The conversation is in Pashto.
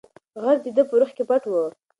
غږ د ده په روح کې پټ و.